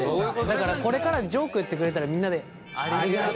だからこれからジョーク言ってくれたらみんなでやめろ！